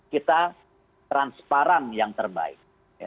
kita transparan yang terbaik